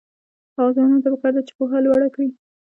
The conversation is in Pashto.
ځوانانو ته پکار ده چې، پوهه لوړه کړي.